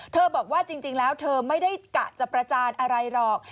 บอกว่าจริงแล้วเธอไม่ได้กะจะประจานอะไรหรอก